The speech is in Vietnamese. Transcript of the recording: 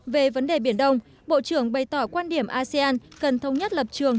về vấn đề biển đông bộ trưởng bày tỏ quan điểm asean cần thông nhất lập trường